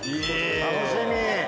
楽しみ。